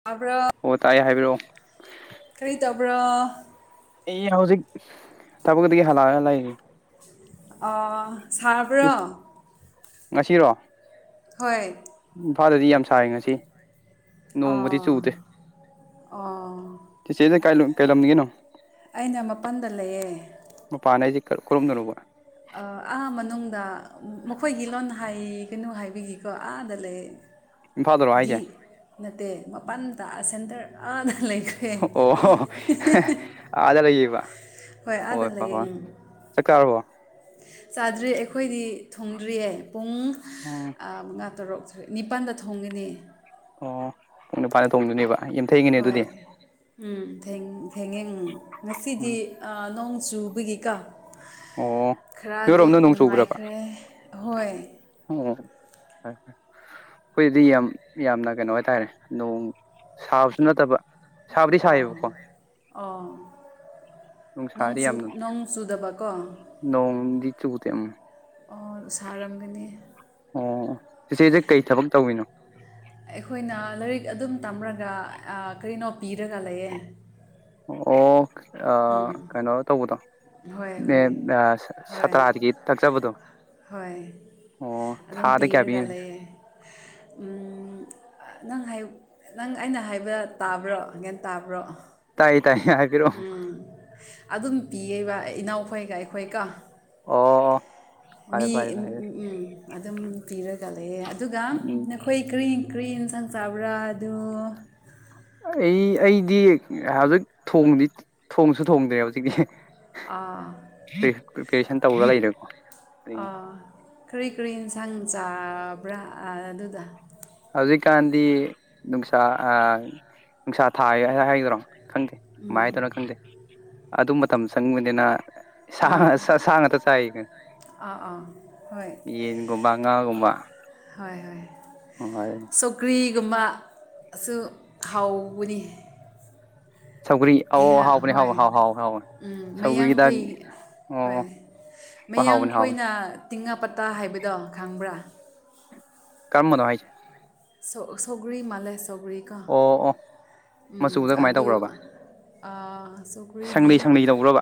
ꯇꯥꯕ꯭ꯔꯣ ꯑꯣ ꯇꯥꯏꯌꯦꯦ ꯍꯥꯏꯕꯤꯔꯛꯑꯣ ꯈꯕ꯭ꯔꯣ ꯑꯩ ꯍꯧꯖꯤꯛ ꯊꯕꯛꯇꯗꯒꯤ ꯍꯂꯛꯑ ꯂꯩꯔꯤ ꯑ ꯁꯥꯥꯔꯕ꯭ꯔꯣ ꯉꯁꯤꯔꯣ ꯍꯣꯏ ꯑꯐꯥꯗꯗꯤ ꯌꯥꯝ ꯁꯔꯦ ꯉꯁꯤ ꯅꯣꯡꯃꯗꯤ ꯑꯥ ꯑꯣ ꯆꯨꯗꯦꯆꯦꯅ ꯀꯩꯂꯝꯅꯤꯒꯤꯅꯣ ꯑꯩꯅ ꯃꯄꯜꯗ ꯂꯩꯌꯦ ꯃꯄꯥꯥꯟꯅꯁꯤ ꯈꯨꯔꯨꯝꯗꯧꯅꯨꯕ ꯑꯥ ꯃꯅꯨꯡꯗ ꯃꯈꯣꯏꯒꯤ ꯂꯣꯟ ꯍꯥꯏ ꯀꯩꯅꯣ ꯍꯥꯏꯕꯤꯒꯤꯀꯣ ꯑꯥꯗ ꯂꯩ ꯏꯝꯐꯥꯜꯗꯔꯣ ꯍꯥꯏꯁꯦ ꯗꯤ ꯅꯠꯇꯦ ꯃꯄꯥꯟ ꯇꯥꯛꯑ ꯁꯦꯟꯇꯔ ꯑ ꯂꯩꯈꯔꯦ ꯑꯣ ꯑꯥꯗ ꯂꯩꯌꯦꯕ ꯍꯣꯏ ꯑꯥꯗ ꯍꯣꯏ ꯍꯣꯏ ꯂꯌꯦꯡ ꯆꯥꯛ ꯆꯥꯔꯕꯣ ꯆꯥꯗ꯭ꯔꯤ ꯑꯩꯈꯣꯏꯗꯤ ꯊꯣꯡꯗ꯭ꯔꯤꯌꯦ ꯄꯨꯡ ꯎꯝ ꯑ ꯃꯉꯥ ꯇꯔꯨꯛ ꯅꯤꯄꯟꯗ ꯊꯣꯡꯒꯅꯤ ꯑꯣ ꯄꯨꯡ ꯅꯤꯄꯥꯥꯟꯗ ꯇꯣꯡꯗꯣꯏꯅꯦꯕ ꯍꯣꯏ ꯎꯝꯦꯡ ꯊꯦꯡꯉꯡ ꯎꯝ ꯎꯝ ꯉꯁꯤꯗꯤ ꯅꯣꯡ ꯆꯨꯕꯒꯤꯀꯥ ꯑꯣ ꯈꯔꯗꯤ ꯅꯣꯏꯔꯣꯝꯗ ꯅꯣꯡ ꯆꯨꯕ꯭ꯔꯕ ꯅꯨꯡꯉꯥꯏꯈ꯭ꯔꯦ ꯑꯍꯣꯏ ꯍ ꯑꯩꯈꯣꯏꯗꯤ ꯌꯥꯝ ꯌꯥꯝꯅ ꯀꯩꯅꯣ ꯍꯥꯏꯇꯥꯔꯦ ꯅꯣꯡ ꯁꯥꯕꯁꯨ ꯅꯠꯇꯕ ꯁꯥꯕꯗꯤ ꯑ ꯁꯥꯏꯌꯦꯕꯀꯣ ꯑ ꯅꯣꯡ ꯁꯨꯗꯕ ꯀꯣ ꯅꯣꯡ ꯆ ꯀꯇ ꯑꯃ ꯁꯥꯔꯝꯒꯅꯤ ꯑꯣ ꯏꯤꯆꯦꯁꯦ ꯀꯩ ꯊꯕꯛ ꯇꯧꯔꯤꯤꯅꯣ ꯑꯩꯈꯣꯏꯅ ꯂꯥꯏꯔꯤꯛ ꯑꯗꯨꯝ ꯇꯝꯔꯒ ꯀꯩꯅꯣ ꯄꯤꯔꯒ ꯂꯩꯌꯦꯦ ꯑꯣꯐ ꯑ ꯀꯩꯅꯣ ꯇꯧꯕꯗꯣ ꯍꯣꯏ ꯅꯦ ꯍꯣꯏ ꯑ ꯍꯣꯏ ꯁꯇ꯭ꯔꯥꯗꯒꯤ ꯇꯥꯛꯆꯕꯗꯣ ꯍꯣꯏ ꯑꯣ ꯑꯗꯨꯝ ꯊꯥꯗ ꯀꯌꯥ ꯄꯤꯔꯒ ꯄꯤꯔꯤꯅꯣ ꯂꯩꯌꯦ ꯎꯝ ꯑ ꯅꯪ ꯍꯥꯏꯌꯨꯛ ꯅꯪ ꯑꯩꯅ ꯍꯥꯏꯕ ꯇꯥꯕ꯭ꯔꯣ ꯒꯌꯥꯟ ꯇꯥꯕ꯭ꯔꯣ ꯇꯥꯏ ꯇꯥꯏ ꯍꯥꯏꯕꯤꯔꯛꯑꯣ ꯎꯝ ꯑꯗꯨꯝ ꯄꯤꯌꯦꯕ ꯏꯅꯥꯎꯈꯣꯏꯒ ꯑꯩꯈꯣꯏꯒ ꯑꯣ ꯐꯔꯦ ꯃꯤ ꯐꯔꯦ ꯎ ꯎ ꯐꯔꯦ ꯎꯝ ꯑꯗꯨꯝ ꯄꯤꯔꯒ ꯂꯩꯑꯦ ꯑꯗꯨꯒ ꯎꯝ ꯅꯈꯣꯏ ꯀꯔꯤ ꯀ꯭ꯔꯤ ꯏꯟꯁꯥꯡ ꯆꯥꯕ꯭ꯔꯥ ꯑꯗꯨ ꯑꯩ ꯑꯩꯗꯤ ꯍꯧꯖꯤꯛ ꯊꯣꯡꯗꯤ ꯊꯣꯡꯁꯨ ꯊꯣꯡꯗꯦ ꯍꯧꯖꯤꯛꯇꯤ ꯑ ꯄ꯭ꯔꯤꯄꯦꯔꯦꯁꯟ ꯇꯔꯒ ꯂꯩꯔꯦꯀꯣ ꯑ ꯀꯔꯤ ꯀꯔꯤ ꯑꯦꯟꯁꯥꯡ ꯆꯥꯕ꯭ꯔꯥ ꯑꯗꯨꯗ ꯍꯧꯖꯤꯛꯀꯥꯟꯗꯤ ꯅꯨꯡꯁꯥ ꯑ ꯅꯨꯡꯁꯥ ꯊꯥꯏ ꯑꯅ ꯍꯥꯏꯗꯔꯣ ꯈꯪꯗꯦ ꯀꯃꯥꯏ ꯍꯥꯏꯗꯣꯅꯣ ꯈꯪꯗꯦ ꯑꯗꯨ ꯃꯇꯝ ꯆꯪꯕꯅꯤꯅ ꯁꯥꯡ ꯁꯥ ꯁꯥ ꯉꯥꯛꯇ ꯆꯥꯏꯌꯦ ꯑꯥ ꯑꯥ ꯍꯣꯏ ꯍꯣꯏ ꯍꯣꯏ ꯍ ꯍꯣꯏ [unintelligible] ꯀꯨꯝꯕꯁꯨ ꯍꯥꯎꯕꯅꯤ ꯁꯧꯒ꯭ꯔꯤ ꯑꯧ ꯑꯩꯍꯥꯛ ꯍꯥꯎꯕꯅꯦ ꯍꯥꯎ ꯍꯣꯏ ꯍꯥꯎ ꯍꯥꯎ ꯍꯥꯎꯕꯅꯦ ꯎꯝ ꯃꯌꯥꯡꯈꯣꯏ ꯍꯣꯏ ꯍꯣꯏ ꯍꯥꯎꯕꯅꯦ ꯍꯥꯎꯕꯅꯦ ꯃꯌꯥꯡꯈꯣꯏꯅ ꯇꯤꯡꯉꯥ ꯄꯇꯥ ꯍꯥꯏꯕ ꯗꯣ ꯈꯪꯕ꯭ꯔꯥ ꯀꯃꯕꯅꯣ ꯍꯥꯏꯁꯦ ꯁꯧ ꯁꯧꯒꯔꯤ ꯃꯂꯦ ꯁꯧꯒꯔꯤ ꯀꯣ ꯑꯣ ꯑꯣ ꯎ ꯃꯆꯨꯗ ꯀꯃꯥꯏꯅ ꯑꯗꯨ ꯇꯧꯕ꯭ꯔꯕ ꯁꯪꯂꯤ ꯁꯈ꯭ꯔꯤꯗꯤ ꯁꯪꯂꯤ ꯇꯧꯕ꯭ꯔꯕ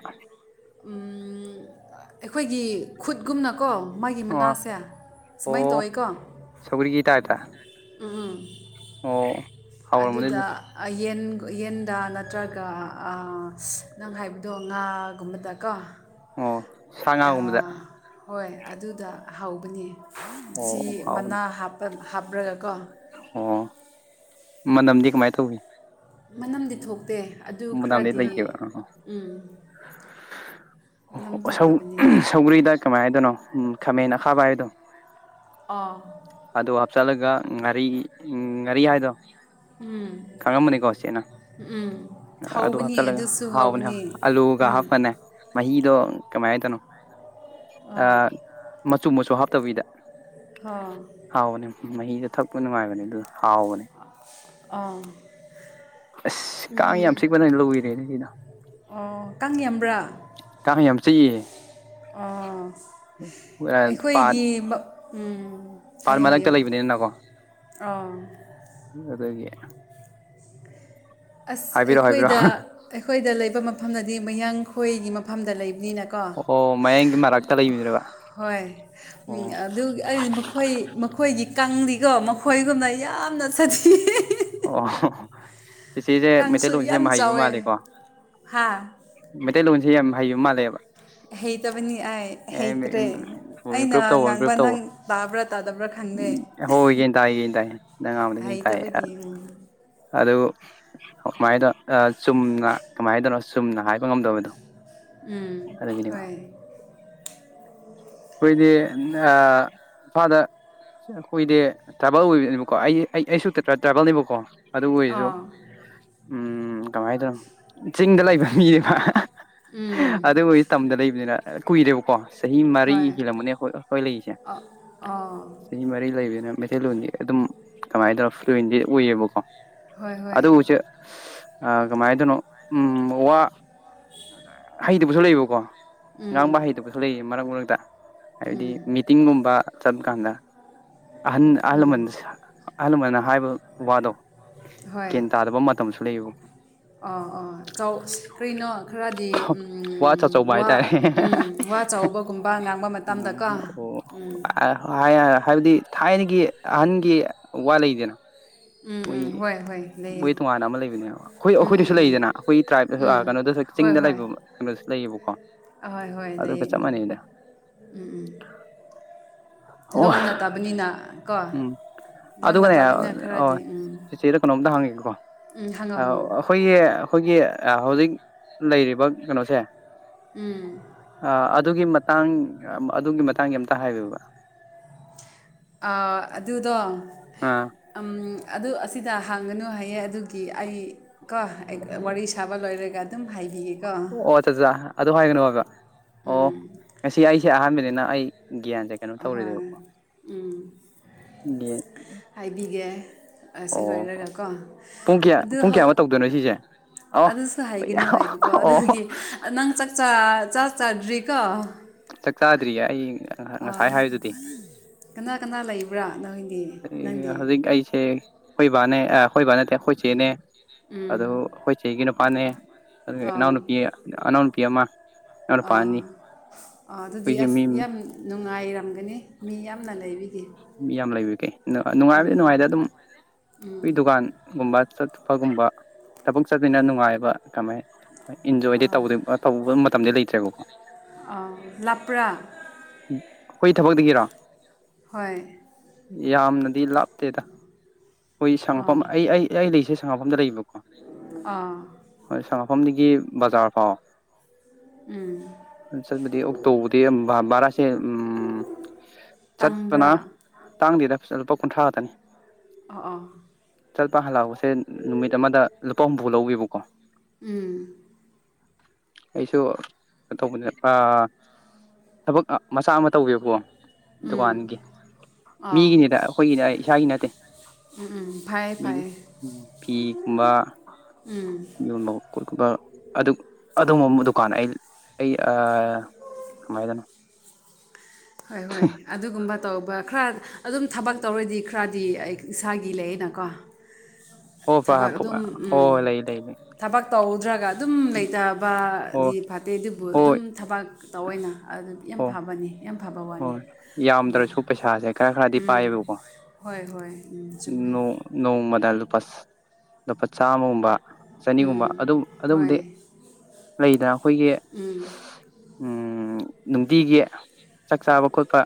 ꯑꯩꯈꯣꯏꯒꯤ ꯈꯨꯠꯒꯨꯝꯅꯀꯣ ꯃꯥꯒꯤ ꯑꯣ ꯃꯅꯥꯁꯦ ꯁꯨꯃꯥꯏꯅ ꯑꯣ ꯇꯧꯋꯦꯀꯣ ꯁꯧꯒ꯭ꯔꯤꯒꯤ ꯇꯥꯏꯞꯇ ꯎꯝ ꯑꯣ ꯍꯥꯎꯔꯝꯃꯅꯤ ꯑꯗꯨꯗ ꯑꯗꯨꯗꯤ ꯌꯦꯟ ꯌꯦꯟꯗ ꯅꯠꯇ꯭ꯔꯒ ꯅꯪ ꯍꯥꯏꯕꯗꯣ ꯉꯥꯒꯨꯝꯕꯗꯀꯣ ꯑꯣ ꯁꯉꯒꯨꯝꯕꯗ ꯍꯣꯏ ꯑꯗꯨꯗ ꯍꯧꯕꯅꯦ ꯑꯣ ꯁꯤ ꯍꯥꯎꯕꯅꯦ ꯃꯅꯥꯄ ꯍꯥꯞꯄ꯭ꯔꯒꯀꯣ ꯑꯣ ꯃꯅꯝꯗꯤ ꯀꯃꯥꯏ ꯇꯧꯏ ꯃꯅꯝꯗꯤ ꯊꯣꯛꯇꯦ ꯑꯗꯨ ꯃꯅꯝꯗꯤ ꯈꯔꯗꯤ ꯂꯩꯇꯦꯕ ꯎꯝ ꯑꯣ ꯁ ꯁꯧꯒ꯭ꯔꯤꯗ ꯀꯃꯥꯏꯅꯗꯣꯏꯅꯣ ꯎ ꯈꯥꯃꯦꯟ ꯑꯈꯥꯕ ꯍꯥꯏꯗꯣ ꯑꯥ ꯑꯗꯣ ꯍꯥꯞꯆꯤꯜꯂꯒ ꯉꯥꯔꯤ ꯎꯝ ꯉꯔꯤ ꯍꯥꯏꯥꯏꯗꯣ ꯎꯝ ꯎꯝ ꯑꯗꯨ ꯍꯥꯞꯆꯤꯜꯂꯒ ꯍꯥꯎꯕꯅꯦ ꯑꯂꯨꯒ ꯎꯝ ꯍꯥꯞꯄꯅꯦ ꯃꯍꯤꯗꯣ ꯀꯃꯥꯏꯅꯗꯅꯣ ꯑꯥ ꯃꯆꯨ ꯃꯆꯨ ꯍꯥꯞꯇꯕꯤꯗ ꯑꯥ ꯍꯥꯎꯕꯅꯦ ꯃꯍꯤꯗ ꯊꯛꯄ ꯅꯨꯡꯉꯥꯏꯕꯅꯦ ꯑꯗꯨ ꯍꯥꯎꯕꯅꯦ ꯑꯥ ꯑꯁ ꯀꯥꯡ ꯌꯥꯝ ꯆꯤꯛꯄꯅ ꯂꯏꯔꯦꯅꯦ ꯑꯗꯨꯅ ꯑꯣ ꯀꯥꯡ ꯌꯥꯝꯕ꯭ꯔꯥ ꯀꯥꯡ ꯌꯥꯝ ꯆꯤꯛꯏꯌꯦ ꯑꯥ ꯑꯩꯈꯣꯏꯒꯤ ꯎ ꯄꯥꯔꯠ ꯃꯔꯛꯇ ꯂꯩꯕꯅꯤꯅꯅꯀꯣ ꯑꯥ ꯑꯗꯨꯗꯒꯤꯦ ꯑꯁ ꯑꯩꯈꯣꯏꯗ ꯍꯥꯏꯕꯤꯔꯛꯑꯣ ꯑꯩꯈꯣꯏꯗ ꯂꯩꯕ ꯃꯐꯝꯗꯗꯤ ꯃꯌꯥꯡꯈꯣꯏꯒꯤ ꯃꯐꯝꯗ ꯂꯩ ꯑꯣ ꯃꯌꯦꯡꯒꯤ ꯃꯔꯛꯇ ꯂꯩꯃꯤꯗ꯭ꯔꯕ ꯍꯣꯏ ꯎꯝ ꯑꯗꯨ ꯑꯩꯗꯤ ꯃꯈꯣꯏ ꯃꯈꯣꯏꯒꯤ ꯀꯪꯗꯤꯀꯣ ꯃꯈꯣꯏꯒꯨꯝꯅ ꯌꯥꯝꯅ ꯁꯥꯊꯤ ꯑꯣ ꯆꯤꯆꯦꯁꯦ ꯀꯥꯡꯁꯨ ꯃꯩꯇꯩꯂꯣꯟꯁꯦ ꯌꯥꯝ ꯍꯩꯕ ꯆꯥꯎꯋꯦ ꯃꯥꯜꯂꯦꯀꯣ ꯍꯥ ꯃꯩꯇꯩꯂꯣꯟꯁꯦ ꯌꯥꯝ ꯍꯩꯕ ꯃꯥꯜꯂꯦꯕ ꯍꯩꯇꯕꯅꯤ ꯑꯥꯏ ꯍꯩꯇ꯭ꯔꯦ ꯑꯣ ꯑꯩꯅ ꯉꯥꯡꯕ ꯅꯪ ꯇꯥꯕ꯭ꯔꯥ ꯇꯥꯗꯕ꯭ꯔꯥ ꯈꯪꯗꯦ ꯎꯝ ꯍꯣꯏ ꯌꯦꯟ ꯇꯥꯏ ꯌꯦꯟ ꯇꯥꯏꯌꯦ ꯅꯪꯉꯕꯗ ꯌꯦꯟ ꯇꯥꯏ ꯍꯩꯇꯕꯒꯤ ꯎꯝ ꯑꯗꯨ ꯀꯃꯥꯏꯅ ꯇꯧ ꯆꯨꯝꯅ ꯀꯃꯥꯏꯅ ꯇꯧꯅꯣ ꯆꯨꯝꯅ ꯍꯥꯏꯕ ꯉꯝꯗꯕꯗꯣ ꯎꯝ ꯑꯗꯨꯒꯤꯅꯦꯕ ꯍꯣꯏ ꯑꯩꯈꯣꯏꯗꯤ ꯏꯝꯐꯥꯜꯗ ꯁꯤ ꯑꯩꯈꯣꯏꯗꯤ ꯇ꯭ꯔꯥꯕꯦꯜ ꯑꯣꯏꯕꯅꯦꯕꯀꯣ ꯑꯩ ꯑꯩꯁꯨ ꯇ꯭ꯔꯥꯕꯦꯜꯅꯦꯕꯀꯣ ꯑꯗꯨ ꯑꯣꯏꯔꯁꯨ ꯑꯥ ꯎ ꯀꯃꯥꯏꯅ ꯇꯧꯅꯣ ꯆꯤꯡꯗ ꯂꯩꯕ ꯃꯤꯕ ꯎꯝ ꯑꯗꯨ ꯃꯣꯏꯒꯤ ꯇꯝꯗ ꯂꯩꯕꯅꯤꯅ ꯀꯨꯏꯔꯦꯕꯀꯣ ꯆꯍꯤ ꯃꯔꯤ ꯍꯣꯏ ꯍꯤꯜꯂꯝꯕꯅꯦꯈꯣꯏ ꯑꯩꯈꯣꯏ ꯂꯩꯔꯤꯁꯦ ꯑꯥ ꯑꯥ ꯆꯍꯤ ꯃꯔꯤ ꯂꯩꯕꯅ ꯃꯩꯇꯩꯂꯣꯟꯗꯤ ꯑꯗꯨꯝ ꯀꯃꯥꯏꯅ ꯇꯧꯔ ꯐꯟꯗꯤ ꯑꯣꯏꯌꯦꯕꯀꯣ ꯍꯣꯏ ꯍꯣꯏ ꯑꯗ ꯄꯁꯦ ꯑ ꯀꯃꯥꯏꯅ ꯇꯅꯣ ꯎꯝ ꯋꯥ ꯍꯩꯇꯕꯁꯨ ꯂꯩꯕꯀꯣ ꯉ ꯎꯝ ꯉꯥꯡꯕ ꯍꯩꯗꯨ ꯀꯩꯁꯨ ꯂꯩꯌꯦ ꯃꯔꯛ ꯃꯔꯛꯇ ꯍꯥꯏꯕꯗꯤ ꯃꯤꯇꯤꯡꯒꯨꯝꯕ ꯆꯠꯄ ꯀꯥꯟꯗ ꯑꯍꯟ ꯑꯍꯜ ꯂꯃꯟ ꯑꯍꯜ ꯂꯃꯟꯅ ꯍꯥꯏꯕ ꯋꯥꯗꯣ ꯒ꯭ꯌꯥꯟ ꯇꯥꯗꯕ ꯃꯇꯝꯁꯨ ꯂꯩꯌꯦꯕꯀꯣ ꯑ ꯑꯥ ꯆꯥꯎ ꯀꯩꯅꯣ ꯈꯔꯗꯤ ꯋꯥ ꯑꯆꯧ ꯑꯆꯧꯕ ꯋꯥ ꯍꯥꯏꯇꯥꯔꯦ ꯎ ꯆꯥꯎꯕꯒꯨꯝꯕ ꯉꯥꯡꯕ ꯃꯇꯝꯗꯀꯣ ꯎ ꯎꯝ ꯑꯣ ꯍꯥꯏꯕꯗꯤ ꯊꯥꯏꯅꯒꯤ ꯑꯍꯟꯒꯤ ꯋꯥ ꯂꯩꯗꯅ ꯎꯝ ꯃꯣꯏ ꯎꯝ ꯍꯣꯏ ꯍꯣꯏ ꯂꯩꯌꯦ ꯃꯣꯏ ꯇꯣꯉꯥꯟꯅ ꯑꯃ ꯂꯩꯕꯅꯦꯕ ꯑꯩꯈꯣꯏ ꯎꯝ ꯎꯝ ꯑꯩꯈꯣꯏꯗꯁꯨ ꯎꯝ ꯂꯩꯗꯅ ꯑꯩꯈꯣꯏ ꯇ꯭ꯔꯥꯏꯞꯇ ꯎꯝ ꯀꯩꯅꯣꯗ ꯍꯣꯏ ꯆꯤꯡꯗ ꯍꯣꯏ ꯂꯩꯕ ꯀꯩꯅꯣꯁꯨ ꯂꯩꯌꯦꯕꯀꯣ ꯑꯍꯣꯏ ꯍꯣꯏ ꯑꯗꯨꯒ ꯂꯩꯝ ꯆꯞ ꯃꯥꯟꯅꯩꯗ [inaudible] ꯑꯣ ꯂꯣꯟ ꯅꯠꯇꯕꯅꯤꯅ ꯀꯣ ꯎꯝ ꯂꯣꯟ ꯑꯗꯨꯒꯅꯦ ꯅꯠꯇꯕꯅꯤꯅ ꯈꯔꯗꯤ ꯎꯝ ꯆꯤꯆꯦꯗ ꯀꯩꯅꯣꯝꯇ ꯍꯪꯉꯦꯀꯣ ꯎꯝ ꯍꯪꯉꯣ ꯍꯪꯉꯣ ꯑꯩꯈꯣꯏꯒꯤ ꯑꯩꯈꯣꯏꯒꯤ ꯍꯧꯖꯤꯛ ꯂꯩꯔꯤꯕ ꯀꯩꯅꯣꯁꯦ ꯑ ꯑꯗꯨꯒꯤ ꯇꯥꯡ ꯑꯗꯨꯒꯤ ꯃꯇꯥꯡꯒꯤ ꯑꯝꯇ ꯍꯥꯏꯕꯤꯕ ꯑꯗꯨꯗꯣ ꯑꯥ ꯑꯗꯨ ꯑꯁꯤꯗ ꯍꯥꯡꯒꯅꯨ ꯍꯥꯏꯌꯦꯦ ꯑꯗꯨꯒꯤ ꯑꯩ ꯀꯣ ꯑꯩ ꯋꯥꯔꯤ ꯁꯥꯕ ꯂꯣꯏꯔꯒꯦ ꯀ ꯑꯗꯨꯝ ꯍꯥꯏꯕꯤꯌꯦ ꯑꯣ ꯆꯥꯛꯆꯥ ꯑꯗꯨ ꯍꯥꯏꯒꯅꯨ ꯍꯥꯏꯕ ꯑꯣ ꯎꯝ ꯉꯁꯤ ꯑꯩꯁꯦ ꯑꯍꯥꯟꯕꯅꯤꯅ ꯑꯩ ꯒ꯭ꯌꯥꯟꯁꯦ ꯀꯩꯅꯣ ꯑꯍꯣꯏ ꯇꯧꯔꯤꯗꯣꯏꯕꯀꯣꯟ ꯎꯝ ꯁꯤꯜꯚꯏꯔꯒ ꯀꯣ ꯄꯨꯡ ꯀꯌꯥ ꯑꯗꯨ ꯄꯨꯡ ꯀꯌꯥꯃꯨꯛ ꯇꯧꯗꯣꯏꯅꯣ ꯁꯤꯁꯦ ꯑꯣ ꯑꯗꯨꯁꯨ ꯍꯥꯏꯒꯅꯨ ꯍꯥꯏꯕꯀꯣ ꯑꯣ ꯑꯗꯨꯒꯤ ꯅꯪ ꯆꯥ ꯆꯥꯗ꯭ꯔꯤꯀꯣ ꯆꯥꯛ ꯆꯥꯗ꯭ꯔꯤꯌꯦ ꯑꯩ ꯉꯁꯥꯏ ꯍꯥꯏꯕꯗꯨꯗꯤ ꯀꯅꯥ ꯀꯅꯥ ꯂꯩꯕ꯭ꯔꯥ ꯅꯪꯗꯤ ꯅꯪꯗꯤ ꯍꯧꯖꯤꯛ ꯑꯩꯁꯦ ꯑꯩꯈꯣꯏꯕꯥꯅꯦ ꯑꯩꯈꯣꯏꯕꯥ ꯅꯠꯇꯦ ꯑꯩꯈꯣꯏ ꯆꯦꯅꯦ ꯎꯝ ꯑꯗꯨ ꯑꯩꯈꯣꯏ ꯆꯦꯒꯤ ꯅꯨꯄꯥꯅꯦ ꯑꯗꯨꯒ ꯏꯅꯥꯎ ꯑꯥ ꯅꯨꯄꯤ ꯑꯅꯥꯎ ꯅꯨꯄꯤ ꯑꯃ ꯏꯅꯥꯎ ꯑꯥ ꯅꯨꯄꯥꯑꯅꯤ ꯑꯗꯨꯗꯤ ꯑꯁ ꯌꯥꯝ ꯅꯨꯡꯉꯥꯏꯔꯝꯒꯅꯤ ꯃꯤ ꯌꯥꯝꯅ ꯂꯩꯕꯤꯒꯦ ꯃꯤ ꯌꯥꯝ ꯂꯩꯕꯤꯒꯦ ꯅꯨꯡꯉꯥꯏꯕꯗꯤ ꯅꯨꯡꯉꯥꯏꯗ ꯑꯗꯨꯝ ꯑꯩꯈꯣꯏ ꯗꯨꯀꯥꯟꯒꯨꯝꯕ ꯑꯨꯄꯒꯨꯝꯕ ꯊꯕꯛ ꯆꯠꯇꯄꯅ ꯅꯨꯡꯉꯥꯏꯕ ꯀꯃꯥꯏ ꯏꯟꯖꯣꯏꯗꯤ ꯇꯧ ꯇꯧꯕ ꯃꯇꯝꯗꯤ ꯂꯩꯇ꯭ꯔꯦꯕꯣ ꯂꯄ꯭ꯔꯥ ꯑꯩꯈꯣꯏ ꯊꯕꯛꯇꯒꯤꯔꯣ ꯍ ꯌꯥꯝꯅꯗꯤ ꯂꯥꯞꯇꯦꯗ ꯑꯩꯈꯣꯏ ꯑꯥ ꯁꯉꯐꯝ ꯑꯩ ꯑꯩ ꯑꯩ ꯂꯩꯁꯦ ꯁꯉꯐꯝꯗ ꯂꯩꯕꯀꯣ ꯑꯥ ꯍꯣꯏ ꯁꯉꯐꯝꯗꯒꯤ ꯕꯖꯥꯔ ꯐꯥꯎ ꯎꯝ ꯆꯠꯄꯗꯤ ꯑꯣꯛꯇꯣꯕꯔꯗꯤ ꯕꯥꯔꯥꯁꯦ ꯎꯝ ꯇꯥꯡꯕ꯭ꯔꯥ ꯇꯥꯡꯗꯤꯗ ꯂꯨꯄꯥ ꯀꯨꯟꯊ꯭ꯔꯥ ꯉꯇꯅꯤ ꯑ ꯆꯠꯄ ꯍꯜꯂꯛꯄꯁꯦ ꯅꯨꯃꯤꯠ ꯑꯃꯗ ꯂꯨꯄꯥ ꯍꯨꯝꯐꯨ ꯂꯧꯕꯤꯕꯀꯣ ꯎꯝ ꯑꯩꯁꯨ ꯇꯧꯕꯅꯦ ꯑꯥ ꯊꯕꯛ ꯃꯆꯥ ꯑꯃ ꯇꯧꯒꯦꯕꯣ ꯎꯝ ꯗꯨꯀꯥꯟꯒꯤ ꯑꯥ ꯃꯤꯒꯤꯅꯤꯗ ꯑꯩꯈꯣꯏꯒꯤꯅꯦ ꯑꯩ ꯏꯁꯥꯒꯤ ꯅꯠꯇꯦ ꯎꯝ ꯎꯝ ꯐꯩꯌꯦ ꯐꯩꯌꯦ ꯐꯤ ꯀꯨꯝꯕ ꯌ ꯑꯗꯨꯝꯕ ꯗꯨꯀꯥꯟ ꯑꯩ ꯑꯩ ꯀꯃꯥꯏꯅꯗꯅꯣ ꯍꯣꯏ ꯍꯣꯏ ꯑꯗꯨꯒꯨꯝꯕ ꯇꯧꯕ ꯈꯔ ꯑꯗꯨꯝ ꯊꯕꯛ ꯇꯧꯔꯗꯤ ꯈꯔꯗꯤ ꯑꯩ ꯏꯁꯥꯒꯤ ꯂꯩꯌꯦꯅꯀꯣ ꯍꯣꯏ ꯊꯕꯛ ꯑꯗꯨꯝ ꯎꯝ ꯍꯣꯏ ꯂꯩ ꯂꯩ ꯂꯩ ꯊꯕꯛ ꯇ ꯑꯗꯨꯝ ꯍꯣꯏ ꯂꯩꯇꯕꯗꯤ ꯐꯠꯇꯦ ꯑꯗꯨꯕꯨ ꯑꯗꯨꯝ ꯍꯣꯏ ꯊꯕꯛ ꯇꯧꯑꯣꯏꯅ ꯑꯗꯨ ꯌꯥꯝ ꯍꯣꯏ ꯐꯕꯅꯤ ꯌꯥꯝ ꯐꯕ ꯋꯥꯅꯤ ꯍꯣꯏ ꯌꯥꯝꯗ꯭ꯔꯁꯨ ꯄꯩꯁꯥꯁꯦ ꯈꯔ ꯈꯔꯗꯤ ꯎꯝ ꯄꯥꯏꯌꯦꯕꯀꯣ ꯍꯣꯏ ꯍꯣꯏ ꯎꯝ ꯆꯨꯝꯃꯦ ꯅꯣꯡꯃꯗ ꯂꯨꯄꯥ ꯂꯨꯄꯥ ꯆꯥꯝꯃꯒꯨꯝꯕ ꯆꯅꯤꯒꯨꯝꯕ ꯎꯝ ꯑꯗꯨꯝ ꯑꯗꯨꯝꯕꯗꯤ ꯍꯣꯏ ꯂꯩꯗꯅꯥ ꯑꯩꯈꯣꯏꯒꯤ ꯎꯝ ꯎ ꯅꯨꯡꯇꯤꯒꯤ ꯆꯥꯛ ꯆꯥꯕ ꯈꯣꯠꯄ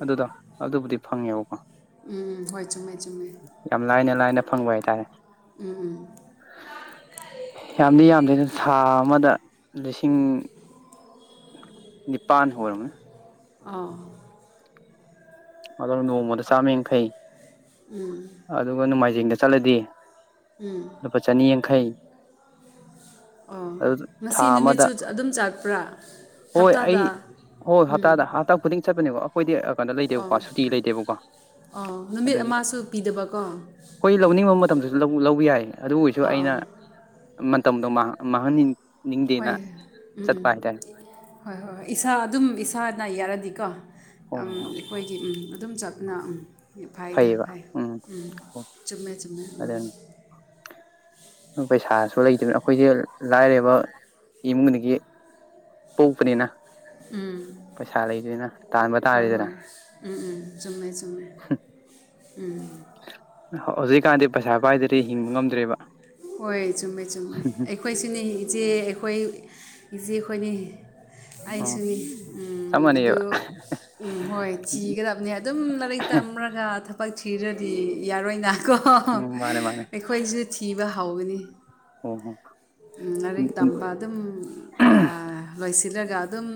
ꯑꯗꯨꯗꯣ ꯑꯗꯨꯕꯨꯗꯤ ꯐꯪꯉꯦꯕꯀꯣ ꯎꯝ ꯍꯣꯏ ꯆꯨꯝꯃꯦ ꯆꯨꯝꯃꯦ ꯌꯥꯝ ꯂꯥꯏꯅ ꯂꯥꯏꯅ ꯐꯪꯕ ꯍꯥꯏꯇꯥꯔꯦ ꯌꯥꯝꯗꯤ ꯌꯥꯝꯗꯦ ꯑꯗꯨ ꯊꯥ ꯑꯃꯗ ꯂꯤꯁꯤꯡ ꯅꯤꯄꯥꯟ ꯑꯣꯏꯔꯝꯃꯅꯤ ꯑꯥ ꯑꯣ ꯅꯣꯡꯃꯗ ꯆꯥꯝꯃ ꯌꯥꯡꯈꯩ ꯑꯗꯨꯒ ꯅꯣꯡꯃꯥꯏꯖꯤꯡꯗ ꯆꯠꯂꯗꯤ ꯂꯨꯄꯥ ꯆꯅꯤ ꯌꯥꯡꯈꯩ ꯑꯣ ꯑꯗꯨ ꯊꯥ ꯉꯁꯤ ꯑꯃꯗ ꯅꯨꯃꯤꯠꯁꯨ ꯑꯗꯨꯝ ꯆꯠꯄ꯭ꯔꯥ ꯍꯣꯏ ꯑꯩ ꯍꯞꯇꯥꯗ ꯍꯣꯏ ꯎꯝ ꯍꯞꯇꯥꯗ ꯍꯞꯇꯥ ꯈꯨꯗꯤꯡ ꯆꯠꯄꯅꯦꯀꯣ ꯑꯩꯈꯣꯏꯗꯤ ꯀꯥꯟꯗ ꯂꯩꯇꯦꯕꯀꯣ ꯁꯨꯇꯤ ꯂꯩꯇꯦꯕꯀꯣ ꯑꯣ ꯅꯨꯃꯤꯠ ꯑꯗꯨꯒꯤ ꯑꯃꯁꯨ ꯄꯤꯗꯕꯀꯣ ꯑꯩꯈꯣꯏ ꯂꯧꯅꯤꯡꯕ ꯃꯇꯝꯗꯁꯨ ꯂꯧꯕ ꯌꯥꯏ ꯑꯗꯨ ꯑꯣꯏꯁꯨ ꯑꯥ ꯑꯩꯅ ꯑꯥ ꯃꯇꯝꯗꯣ ꯃꯍꯟꯅꯤ ꯍꯣꯏ ꯎꯝ ꯎꯝ ꯍꯣꯏ ꯍꯣꯏ ꯏꯁꯥ ꯑꯗꯨꯝ ꯏꯁꯥꯅ ꯌꯥꯔꯗꯤꯀꯣ ꯑꯣ ꯍꯣ ꯑꯩꯈꯣꯏꯒꯤ ꯑꯗꯨꯝ ꯆꯞꯅ ꯐꯥꯏꯗ ꯐ ꯎꯝ ꯑꯣ ꯆꯨꯝꯃꯦ ꯆꯨꯝꯃꯦ ꯎꯝ ꯄꯩꯁꯥ ꯂꯩꯇꯕꯅ ꯑꯩꯈꯣꯏꯁꯦ ꯂꯥꯏꯔꯕ ꯏꯃꯨꯡꯒꯤ ꯄꯣꯛꯄꯅꯤꯅ ꯎꯝ ꯄꯩꯁꯥ ꯂꯩꯗꯣꯏꯅ ꯇꯥꯟꯕ ꯍꯣꯏ ꯇꯥꯔꯦꯗꯅ ꯍꯣꯏ ꯎꯝ ꯎꯝ ꯆꯨꯝꯃꯦ ꯆꯨꯝꯃꯦ ꯍꯧꯖꯤꯛꯀꯥꯟꯗꯤ ꯄꯩꯁꯥ ꯄꯥꯏꯗꯗꯤ ꯍꯤꯡꯕ ꯉꯝꯗ꯭ꯔꯦꯕ ꯍꯣꯏ ꯆꯨꯝꯃꯦ ꯆꯨꯝꯃꯦ ꯑꯩꯈꯣꯏꯁꯨꯅꯤ ꯏꯆꯦ ꯑꯩꯈꯣꯏ ꯏꯆꯦ ꯑꯩꯈꯣꯏꯅꯤ ꯑꯣ ꯑꯩꯁꯨꯅꯤ ꯆꯞ ꯎꯝ ꯑꯗꯨ ꯃꯥꯟꯅꯩꯑꯕ ꯎꯝ ꯍꯣꯏ ꯊꯤꯒꯗꯕꯅꯦ ꯑꯗꯨꯝ ꯂꯥꯏꯔꯤꯛ ꯇꯝꯃꯒ ꯕꯛ ꯊꯤꯔꯗꯤ ꯌꯥꯔꯣꯏꯅ ꯀꯣ ꯎꯝ ꯃꯥꯅꯦ ꯃꯥꯅꯦ ꯑꯩꯈꯣꯏꯁꯨ ꯊꯤꯕ ꯍꯒꯅꯤ ꯑꯣ ꯍꯣ ꯂꯥꯏꯔꯤꯛ ꯎꯝ ꯇꯝꯕ ꯑꯗꯨꯝ ꯂꯣꯏꯁꯤꯜꯂꯒ ꯑꯗꯨꯝ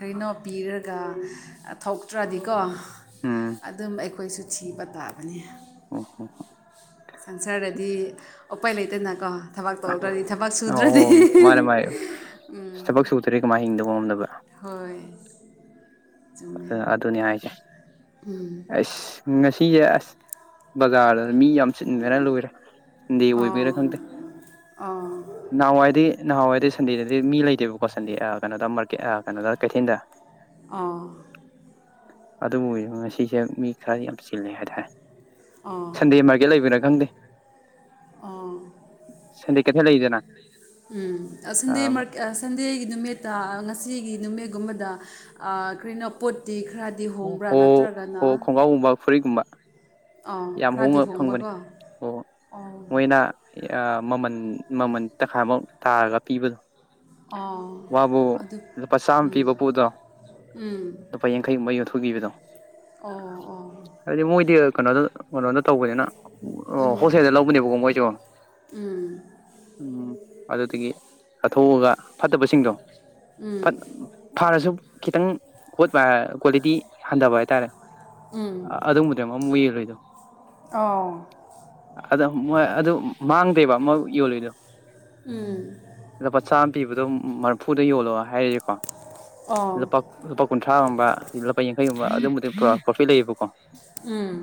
ꯀꯩꯅꯣ ꯄꯤꯔꯒ ꯊꯣꯛꯇ꯭ꯔꯗꯤꯀꯣ ꯎꯝ ꯑꯗꯨꯝ ꯑꯩꯈꯣꯏꯁꯨ ꯅꯨꯡ ꯁꯤꯕ ꯇꯥꯕꯅꯤ ꯎꯝ ꯁꯪꯁꯥꯔꯗꯗꯤ ꯑꯣꯄꯥꯏ ꯂꯩꯇꯦꯅꯅꯥꯀ ꯊꯋꯥ ꯇꯧ꯭ꯔꯅꯤ ꯑꯣ ꯃꯥꯅꯦ ꯃꯥꯅꯦ ꯊꯕꯛ ꯁꯨꯗ꯭ꯔꯦ ꯀꯃꯥꯏꯅ ꯍꯤꯡꯗꯕ ꯉꯝꯗꯕ ꯍꯣꯏ ꯆꯨꯝꯃꯦ ꯑ ꯑꯗꯨꯅꯤ ꯍꯥꯏꯁꯦ ꯑꯁ ꯉꯁꯤ ꯊꯤ ꯑꯁ ꯕꯖꯥ ꯃꯤ ꯌꯥꯝ ꯆꯤꯟꯗꯔꯥ ꯂꯣꯏꯔꯦꯤꯟ ꯑꯣ ꯑꯣꯏꯕꯤꯔꯥ ꯈꯪꯗꯦ ꯑꯣ ꯅꯋꯥꯏꯗꯤ ꯅꯍꯋꯥꯏꯗꯤ ꯁꯟꯗꯦꯗꯗꯤ ꯃꯤ ꯂꯩꯇꯦꯕꯀꯣ ꯁꯟꯗꯦ ꯀꯩꯅꯣꯗ ꯃꯥꯔꯀꯦꯠ ꯀꯩꯅꯣꯗ ꯀꯩꯊꯦꯜꯗ ꯑꯥ ꯑꯗꯨꯕꯨ ꯑꯣꯏꯗ ꯉꯁꯤꯁꯦ ꯃꯤ ꯈꯔꯗꯤ ꯌꯥꯝ ꯆꯤꯜꯂꯦ ꯍꯥꯏꯇꯥꯔꯦ ꯁꯟꯗꯦ ꯃꯥꯔꯀꯦꯠ ꯂꯩꯕꯔꯥ ꯈꯪꯗꯦ ꯑ ꯎꯝ ꯁꯟꯗꯦ ꯀꯩꯊꯦꯜ ꯂꯩꯗꯅ ꯁꯟꯗꯦ ꯁꯟꯗꯦꯒꯤ ꯅꯨꯃꯤꯠꯇ ꯉ ꯁꯤꯒꯤ ꯅꯨꯃꯤꯠꯒꯨꯝꯕꯗ ꯀꯩꯅꯣ ꯄꯣꯠꯇꯤ ꯈꯔꯗꯤ ꯍꯣꯡꯕ꯭ꯔꯥ ꯍꯣ ꯍꯣ ꯅꯠꯇ꯭ꯔꯒꯅ ꯈꯣꯡꯒ꯭ꯔꯥꯎꯒꯨꯝꯕ ꯐꯨꯔꯤꯒꯨꯝꯕ ꯑꯥ ꯈꯔꯗꯤ ꯍꯣꯡꯕꯀꯣ ꯑꯣ ꯑ ꯃꯣꯏꯅ ꯃꯃꯜ ꯃꯃꯜ ꯇꯪꯈꯥꯏꯃꯨꯛ ꯇꯥꯔꯒ ꯄꯤꯕꯗꯣ ꯑꯣ ꯋꯥꯕꯨ ꯑꯗꯨ ꯂꯨꯄꯥ ꯆꯥꯝꯃ ꯄꯤꯕ ꯎꯝ ꯄꯣꯠꯇꯣ ꯎꯝ ꯂꯨꯄꯥ ꯌꯥꯡꯈꯩꯒꯨꯝ ꯃꯩ ꯌꯨ ꯄꯨꯕꯤꯕꯗꯣ ꯑꯣ ꯑꯣ ꯍꯥꯏꯗꯤ ꯃꯣꯏꯗꯤ ꯀꯩꯅꯣꯗ ꯀꯩꯅꯣꯝꯗ ꯇꯧꯕꯅꯤꯅ ꯍꯣꯜꯁꯦꯜꯗ ꯂꯧꯕꯅꯦꯕꯀꯣ ꯃꯣꯏꯁꯨ ꯎꯝ ꯑꯗꯨꯗꯒꯤ ꯆꯠꯊꯣꯛꯑꯒ ꯐꯠꯇꯕꯁꯤꯡꯗꯣ ꯎꯝ ꯐꯔꯁꯨ ꯈꯤꯇꯪꯠ ꯀ꯭ꯋꯥꯂꯤꯇꯤ ꯍꯟꯊꯕ ꯍꯥꯏꯇꯥꯔꯦ ꯑ ꯎꯝ ꯑꯗꯨꯕꯨꯗꯤ ꯑꯃ ꯑꯃꯨꯛ ꯌꯦꯡꯔꯣꯏꯗꯣ ꯑꯣ ꯑ ꯃꯣꯏ ꯑꯗꯨ ꯃꯥꯡꯗꯦꯕ ꯃꯣꯏ ꯌꯣꯜꯂꯤꯗꯣ ꯎꯝ ꯂ ꯂꯨꯄꯥ ꯆꯥꯝꯃ ꯄꯤꯕꯗꯣ ꯃꯔꯐꯨꯗ ꯌꯣꯜꯂꯣ ꯍꯥꯏꯔꯤꯁꯦꯀꯣ ꯂꯨꯄꯥ ꯑꯣ ꯂꯨꯄꯥ ꯀꯨꯟꯊ꯭ꯔꯥꯒꯨꯝꯕ ꯂꯨꯄꯥ ꯌꯥꯡꯈꯩꯒꯨꯝꯕ ꯑꯗꯨꯝꯕꯕꯨꯗꯤ ꯀ꯭ꯔꯣꯐꯤꯠ ꯂꯩꯕꯀꯣ ꯎꯝ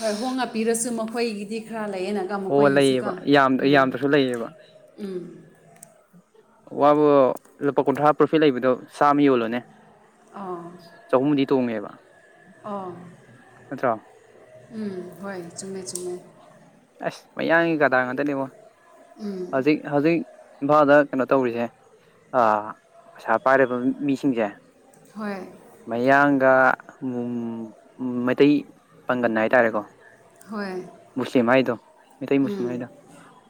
ꯍꯣꯏ ꯍꯣꯡꯉꯛꯄꯤꯔꯁꯨ ꯃꯈꯣꯏꯒꯤꯗꯤ ꯈꯔ ꯂꯩ ꯂꯩꯌꯦꯅ ꯀꯃꯨ ꯑꯣ ꯈ꯭ꯋꯥꯩꯁꯨꯀ ꯂꯩꯌꯦꯕ ꯌꯥꯝ ꯎꯝ ꯌꯥꯝꯗ꯭ꯔꯁꯨ ꯂꯩꯌꯦꯕ ꯎꯝ ꯋꯥꯕꯨ ꯂꯨꯄꯥ ꯀꯨꯟꯊ꯭ꯔꯥ ꯄ꯭ꯔꯣꯐꯤꯠ ꯂꯩꯕꯗꯣ ꯆꯥꯃ ꯌꯣꯜꯂꯣꯅꯦ ꯑꯥ ꯇꯨꯃꯕ ꯑ ꯎꯝ ꯍꯣꯏ ꯆꯨꯝꯃꯦ ꯆꯨꯝꯃꯦ ꯑꯁ ꯃꯌꯥꯡꯒꯤ ꯀꯗꯥ ꯉꯥꯛꯇꯅꯦꯕꯣ ꯍꯧꯖꯤꯛ ꯍꯧꯖꯤꯛ ꯏꯝꯐꯥꯜꯗ ꯀꯩꯅꯣ ꯇꯧꯔꯤꯁꯦ ꯄꯩꯁꯥ ꯄꯥꯏꯔꯕ ꯃꯤꯁꯤꯡꯁꯦ ꯍꯣꯏ ꯃꯌꯥꯡꯒ ꯃꯩꯇꯩ ꯄꯥꯡꯒꯟ ꯍꯥꯏꯇꯥꯔꯦꯀꯣ ꯍꯣꯏ ꯃꯥꯏꯗꯣ ꯃꯩꯇꯩ ꯃꯨꯁꯨ ꯎꯝ ꯃꯥꯏꯗꯣ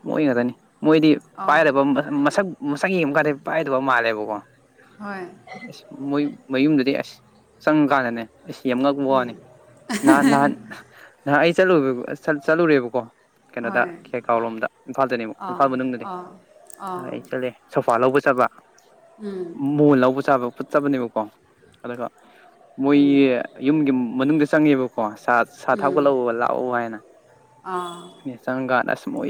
ꯃꯣꯏ ꯉꯥꯛꯇꯅꯤ ꯃꯣꯏꯗꯤ ꯑꯥ ꯄꯥꯏꯗꯕ ꯃꯁꯛ ꯃꯁꯛ ꯌꯦꯡꯕ ꯀꯥꯟꯗꯗꯤ ꯄꯥꯏꯗꯕ ꯃꯥꯜꯂꯦꯕꯀꯣ ꯑꯁ ꯍꯣꯏ ꯃꯣꯏ ꯃꯌꯨꯝꯗꯗꯤ ꯑꯁ ꯆꯪꯉꯀꯥꯟꯗꯅꯦ ꯑꯩ ꯑꯃ ꯉꯛꯄ ꯋꯥꯅꯤ ꯅꯍꯥꯟ ꯅꯍꯥꯟ ꯅꯍꯥꯟ ꯑꯩ ꯆꯠꯂꯨ ꯆꯠꯂꯨꯔꯦꯕꯀꯣ ꯀꯩꯅꯣꯗ ꯍꯣꯏ ꯈꯦꯈꯥꯎ ꯂꯣꯝꯗ ꯏꯝꯐꯥꯜꯗꯅꯦ ꯑꯃꯨꯛ ꯏꯝꯐꯥꯜ ꯑꯥ ꯃꯅꯨꯡꯗꯅꯤ ꯑꯥ ꯍ ꯑꯥ ꯆꯂꯦ ꯁꯣꯐꯥ ꯂꯣꯕꯨ ꯐꯠꯆꯕ ꯎꯝ ꯃꯣꯟ ꯂꯧꯕ ꯆꯥꯕ ꯐꯨꯠꯆꯕꯅꯦꯕꯀꯣ ꯑꯗꯨꯒ ꯃꯣꯏ ꯌꯨꯝꯒꯤ ꯃꯅꯨꯡꯗ ꯆꯪꯉꯦꯕꯀꯣ ꯁꯥ ꯎꯝ ꯊꯥꯒꯠꯂꯛꯎ ꯂꯥꯛꯎ ꯍꯥꯏꯅ ꯑꯥ ꯃꯁ ꯃꯣꯏ